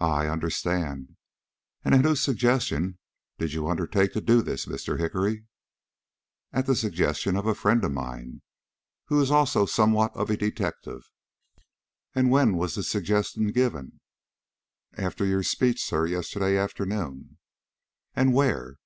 "Ah, I understand, and at whose suggestion did you undertake to do this, Mr. Hickory?" "At the suggestion of a friend of mine, who is also somewhat of a detective." "And when was this suggestion given?" "After your speech, sir, yesterday afternoon." "And where?"